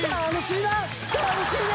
楽しいな！